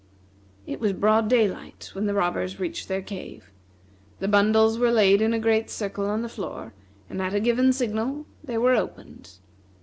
It was broad daylight when the robbers reached their cave. The bundles were laid in a great circle on the floor, and, at a given signal, they were opened.